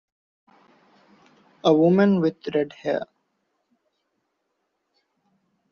A woman with red hair!